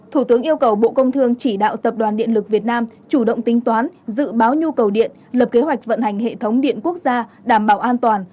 thủ tướng yêu cầu bộ công thương chỉ đạo tập đoàn điện lực việt nam chủ động tính toán dự báo nhu cầu điện lập kế hoạch vận hành hệ thống điện quốc gia đảm bảo an toàn